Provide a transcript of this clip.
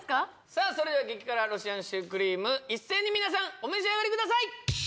さあそれでは激辛ロシアンシュークリーム一斉に皆さんお召し上がりください！